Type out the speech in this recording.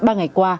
ba ngày qua